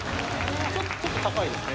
ちょっと高いですね